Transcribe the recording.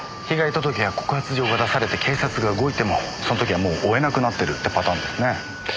被害届や告発状が出されて警察が動いてもその時はもう追えなくなってるってパターンですね。